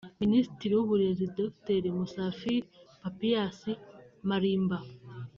Minisitiri w’Uburezi Dr Musafiri Papias Malimba